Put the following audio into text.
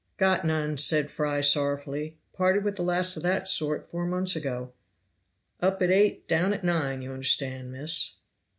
"Got none," said Fry sorrowfully; "parted with the last of that sort four months ago up at eight down at nine you understand, miss."